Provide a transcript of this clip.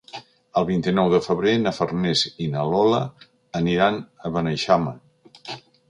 El vint-i-nou de febrer na Farners i na Lola aniran a Beneixama.